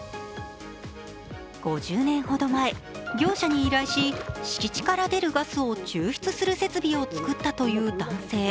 ５０年ほど前業者に依頼し敷地から出るガスを抽出する設備を作ったという男性。